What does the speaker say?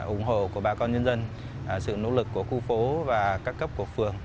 ủng hộ của bà con nhân dân sự nỗ lực của khu phố và các cấp của phường